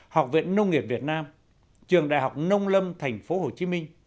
học viện nông nghiệp việt nam trường đại học nông lâm tp hcm